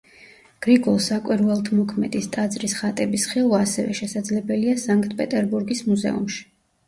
გრიგოლ საკვირველთმოქმედის ტაძრის ხატების ხილვა ასევე შესაძლებელია სანქტ-პეტერბურგის მუზეუმებში.